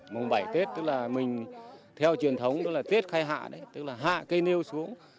mùng bảy tết tức là mình theo truyền thống đó là tết khai hạ đấy tức là hạ cây nêu xuống